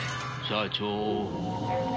社長。